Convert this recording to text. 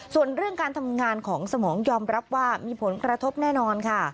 ส่วนเรื่องการทำงานของสมองยอมรับว่ามีผลกระทบแน่นอนค่ะ